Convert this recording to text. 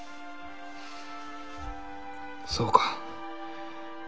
そうか。